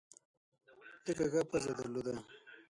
ده کږه پزه درلوده.